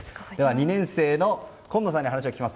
２年生の金野さんに話を聞きます。